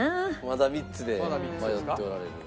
まだ３つで迷っておられる。